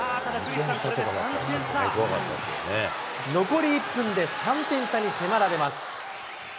残り１分で３点差に迫られます。